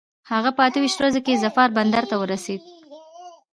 هغه په اته ویشت ورځي کې ظفار بندر ته ورسېد.